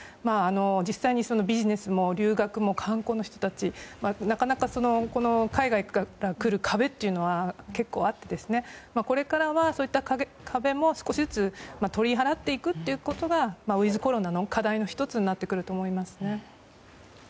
実際にビジネスも留学も観光の人たちも海外から来る壁というのは結構あってこれからはそういった壁も少しずつ取り払っていくということがウィズコロナの課題の１つになってくると思いますね。